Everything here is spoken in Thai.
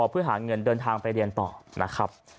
เพื่อหาเงินเดินทางไปเรียนต่อนะครับ